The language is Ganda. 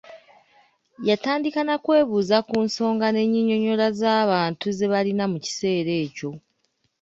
Yatandika n’akwebuuza ku nsonga ne nnyinyonnyola z’abantu ze baalina mu kiseera ekyo.